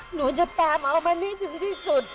หนูจะตามเอามันให้ถึงที่สุด